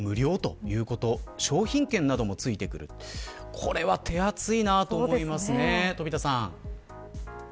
これは手厚いなと思いますね。